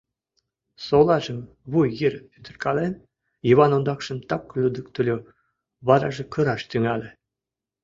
Солажым вуй йыр пӱтыркален, Йыван ондакшым так лӱдыктыльӧ, вараже кыраш тӱҥале.